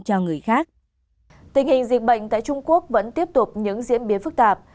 tình hình dịch bệnh tại trung quốc vẫn tiếp tục những diễn biến phức tạp